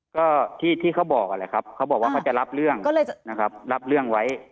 ก็ที่ที่เขาบอกอะไรครับเขาบอกว่าเขาจะรับเรื่องนะครับรับเรื่องไว้